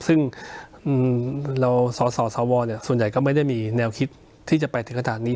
ซึ่งเราสสวส่วนใหญ่ก็ไม่ได้มีแนวคิดที่จะไปถึงขนาดนี้